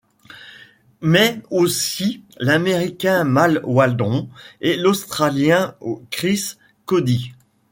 Mais aussi l'Américain Mal Waldron, et l'Australien Chris Cody.